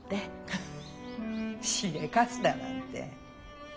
フフッしでかすだなんて。